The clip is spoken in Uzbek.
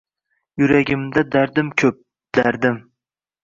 Yuragimda dardim koʼp, dardim